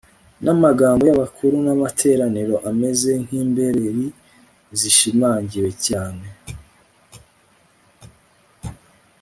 n'amagambo y'abakuru b'amateraniro ameze nk'imbereri zishimangiwe cyane